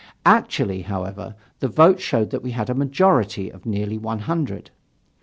Actually, however, the vote showed that we had a majority of nearly one hundred.